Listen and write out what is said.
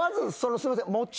すいません。